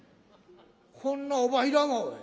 こんなおばんいらんわ。